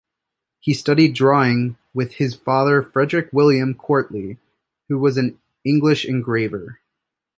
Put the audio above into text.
He studied drawing with his father Frederick William Quartley, who was an English engraver.